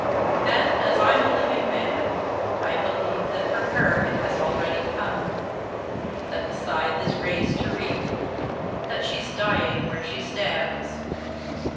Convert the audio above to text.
And, as I'm a living man, I believe that for her it has already come; that the scythe is raised to reap; that she's dying where she stands.